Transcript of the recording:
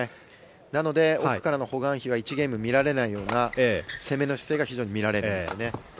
なので奥からのホ・グァンヒは１ゲームでは見られないような攻めの姿勢が見られるんですよね。